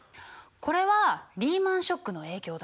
これはリーマンショックの影響だね。